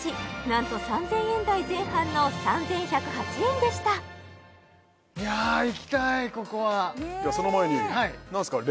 なんと３０００円台前半の３１０８円でしたいや行きたいここはいやその前に何すか？